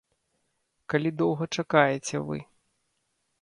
Калі доўга чакаеце вы.